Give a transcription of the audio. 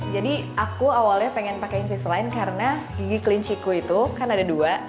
jadi aku awalnya pengen pakai invisalign karena gigi kelinciku itu kan ada dua